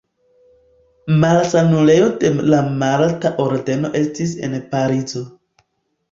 Malsanulejo de la Malta Ordeno estis en Parizo.